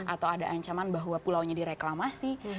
atau ada ancaman bahwa pulaunya direklamasi